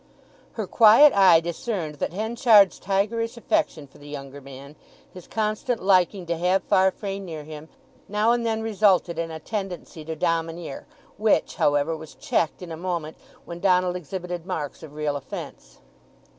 Her quiet eye discerned that Henchard's tigerish affection for the younger man, his constant liking to have Farfrae near him, now and then resulted in a tendency to domineer, which, however, was checked in a moment when Donald exhibited marks of real offence.